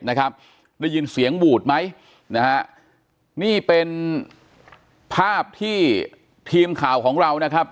ได้ยินเสียงบู่ดไหมนี่เป็นภาพที่ทีมข่าวของเรา